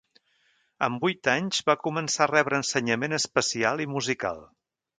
Amb vuit anys va començar a rebre ensenyament especial i musical.